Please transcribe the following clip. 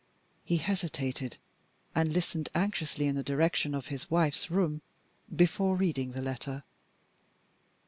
He hesitated, and listened anxiously in the direction of his wife's room, before reading the letter.